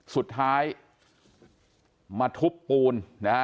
สุดท้ายมาทุบปูญ